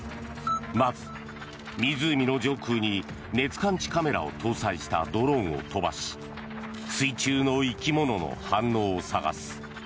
まず、湖の上空に熱感知カメラを搭載したドローンを飛ばし水中の生き物の反応を探す。